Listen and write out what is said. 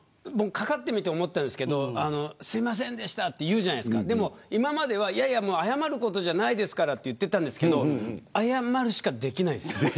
僕、かかってみて思ったんですけどすいませんでしたって言うじゃないですかでも、今までは、いやいやもう謝ることじゃないですからって言ってたんですけど謝るしかできないですよ。